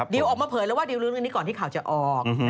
ดิวออกมาเผยแล้วว่าดิวรู้เรื่องนี้ก่อนที่ข่าวจะออก